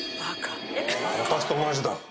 私と同じだ。